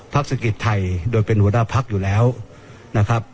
เศรษฐกิจไทยโดยเป็นหัวหน้าพักอยู่แล้วนะครับ